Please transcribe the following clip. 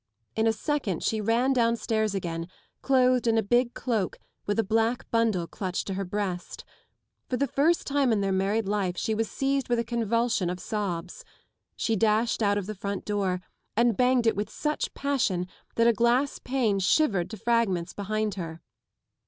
In a second she ran downstairs again, clothed in a big cloak with black bundle clutched to her breast. For the first time in their married life she was seized with a convulsion of sobs. She dashed out of the front door and banged it with such passion that a glass pane shivered to fragments behind her.